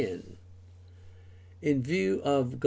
In view of Gal.